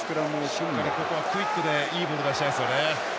しっかりクイックでいいボール出したいですよね。